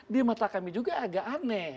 di mata kami juga agak aneh